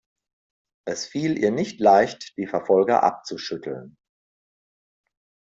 Es fiel ihr nicht leicht, die Verfolger abzuschütteln.